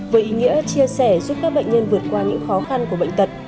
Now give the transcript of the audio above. với ý nghĩa chia sẻ giúp các bệnh nhân vượt qua những khó khăn của bệnh tật